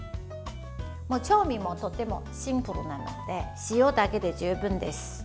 調味もとてもシンプルなので塩だけで十分です。